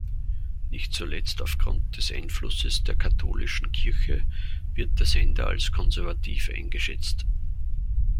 Nicht zuletzt aufgrund des Einflusses der katholischen Kirche wird der Sender als konservativ eingeschätzt.